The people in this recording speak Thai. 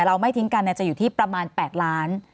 เราไม่ทิ้งกันจะอยู่ที่ประมาณ๘ล้าน